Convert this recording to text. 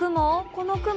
この雲？